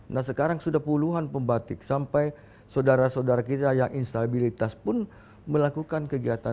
nah sekarang sudah puluhan pembatik sampai saudara saudara kita yang instabilitas pun melakukan kegiatan